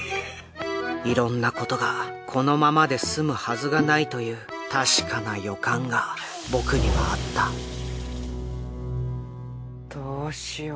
いろんなことがこのままで済むはずがないというたしかな予感が僕にはあったどうしよう？